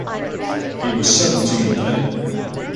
He was seventeen then.